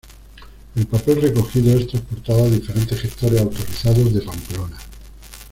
El papel recogido es transportado a diferentes gestores autorizados de Pamplona.